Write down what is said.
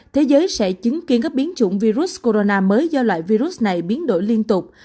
thế giới sẽ chứng kiến các biến chủng virus corona mới do loại virus này biến đổi liên tục